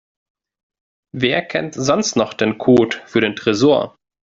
Wer kennt sonst noch den Code für den Tresor?